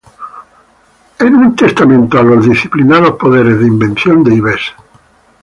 En un testamento a los disciplinados poderes de invención de Ives.